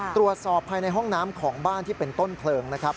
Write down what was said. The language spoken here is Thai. ตรวจสอบภายในห้องน้ำของบ้านที่เป็นต้นเพลิงนะครับ